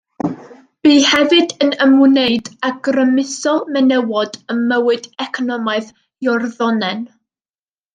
Bu hefyd yn ymwneud â grymuso menywod ym mywyd economaidd Iorddonen.